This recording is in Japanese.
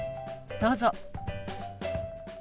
どうぞ。